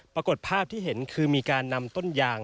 ปรากฏภาพที่เห็นคือมีการนำต้นยาง